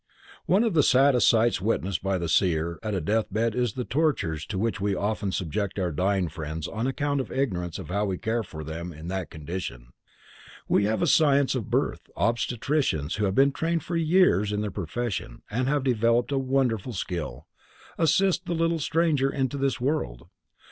One of the saddest sights witnessed by the seer at a death bed is the tortures to which we often subject our dying friends on account of ignorance of how to care for them in that condition. We have a science of birth; obstetricians who have been trained for years in their profession and have developed a wonderful skill, assist the little stranger into this world.